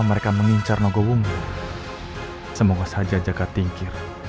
kegelapan tengah menyelembuti desa tinggi